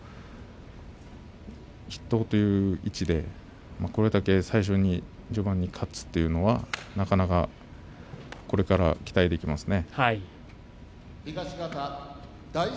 筆頭という位置でこれだけ序盤に勝つというのはなかなかこれから期待できますね。